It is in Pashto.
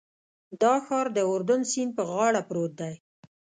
دا ښار د اردن سیند په غاړه پروت دی.